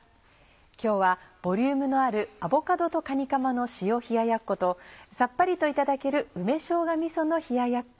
今日はボリュームのある「アボカドとかにかまの塩冷ややっこ」とさっぱりといただける「梅しょうがみその冷ややっこ」